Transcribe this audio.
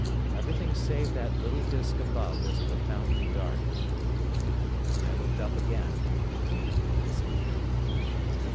Everything save that little disc above was profoundly dark, and when I looked up again Weena had disappeared.